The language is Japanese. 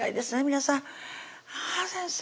皆さんはぁ先生